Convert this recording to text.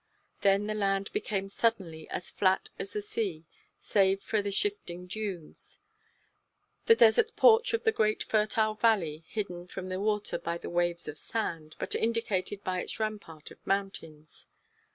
Then the land became suddenly as flat as the sea, save for the shifting dunes: the desert porch of the great fertile valley hidden from the water by the waves of sand, but indicated by its rampart of mountains.